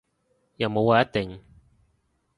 又冇話一定